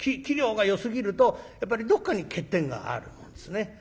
器量がよすぎるとやっぱりどっかに欠点があるもんですね。